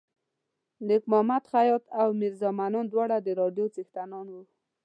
نیک ماد خیاط او میرزا منان دواړه د راډیو څښتنان وو.